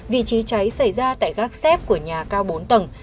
vị trí cháy xảy ra tại gác xếp của nhà cao bốn tầng